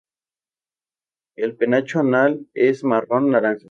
El penacho anal es marrón-naranja.